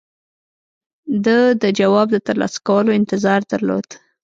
ده د جواب د ترلاسه کولو انتظار درلود.